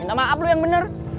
minta maaf lu yang bener